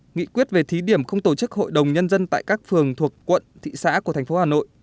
nghị quyết về thí điểm không tổ chức hội đồng nhân dân tại các phường thuộc quận thị xã của thành phố hà nội